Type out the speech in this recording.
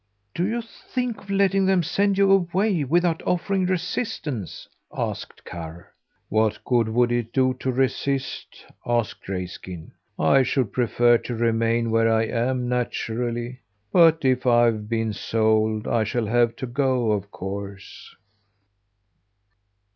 "Do you think of letting them send you away without offering resistance?" asked Karr. "What good would it do to resist?" asked Grayskin. "I should prefer to remain where I am, naturally, but if I've been sold, I shall have to go, of course."